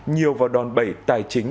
nhiều vào đòn bẩy tài chính